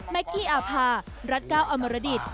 แมกกี้อาภารัตเก้าอมรดิต